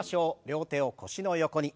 両手を腰の横に。